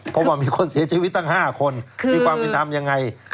เพราะว่ามีคนเสียชีวิตตั้ง๕คนมีความเป็นธรรมยังไง